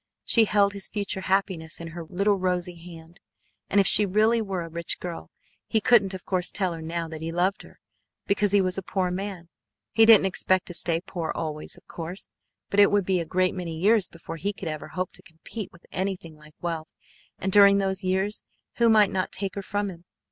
She held his future happiness in her little rosy hand, and if she really were a rich girl he couldn't of course tell her now that he loved her, because he was a poor man. He didn't expect to stay poor always, of course, but it would be a great many years before he could ever hope to compete with anything like wealth, and during those years who might not take her from him?